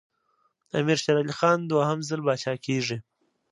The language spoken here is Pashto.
امیر شېر علي خان دوهم ځل پاچا کېږي.